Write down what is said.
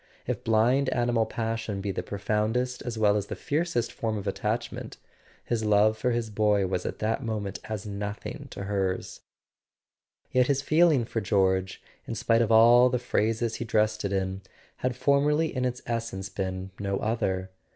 If blind animal passion be the profoundest as well as the fiercest form of attach¬ ment, his love for his boy was at that moment as noth [ 182 ] A SON AT THE FRONT ing to hers. Yet his feeling for George, in spite of all the phrases he dressed it in, had formerly in its essence been no other.